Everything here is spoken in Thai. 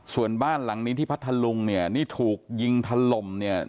ส่วนบ้านหลังนี้ที่พัทธลุงเนี่ยนี่ถูกยิงถล่มเนี่ย